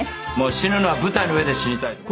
死ぬのは舞台の上で死にたいと。